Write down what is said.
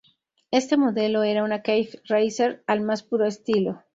Este modelo era una Cafe Racer al más puro estilo.